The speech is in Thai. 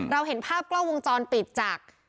เห็นภาพกล้องวงจรปิดจาก